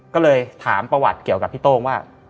ก็เลยถามประวัติเกี่ยวกับพี่โต้งว่า